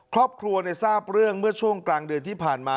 ครอบครัวทราบเรื่องเมื่อช่วงกลางเดือนที่ผ่านมา